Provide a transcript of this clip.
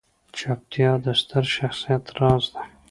چوپتیا، د ستر شخصیت راز دی.